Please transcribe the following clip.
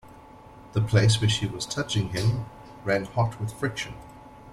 The place where she was touching him ran hot with friction.